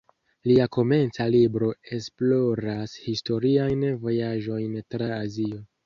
Lia komenca libro esploras historiajn vojaĝojn tra Azio.